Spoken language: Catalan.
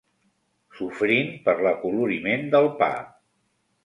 Sofrint per l'acoloriment del pa.